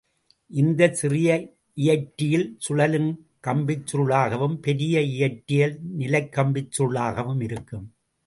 இது சிறிய இயற்றியில் சுழலும் கம்பிச் சுருளாகவும் பெரிய இயற்றியில் நிலைக்கம்பிச் சுருளாகவும் இருக்கும்.